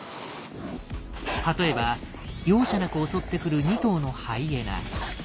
例えば容赦なく襲ってくる２頭のハイエナ。